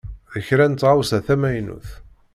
D kra n taɣawsa tamynut.